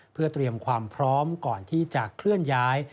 เพื่อเตรียมความพร้อมก่อนที่จะเคลื่อนย้าย